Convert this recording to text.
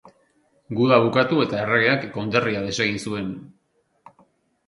Guda bukatu eta erregeak konderria desegin zuen.